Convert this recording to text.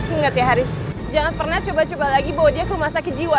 ingat ya haris jangan pernah coba coba lagi bawa dia ke rumah sakit jiwa